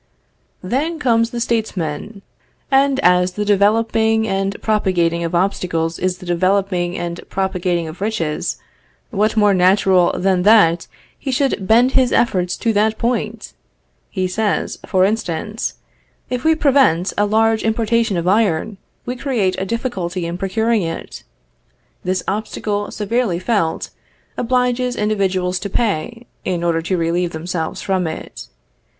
Then comes the statesman; and as the developing and propagating of obstacles is the developing and propagating of riches, what more natural than that he should bend his efforts to that point? He says, for instance: If we prevent a large importation of iron, we create a difficulty in procuring it. This obstacle severely felt, obliges individuals to pay, in order to relieve themselves from it.